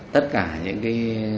tất cả những cái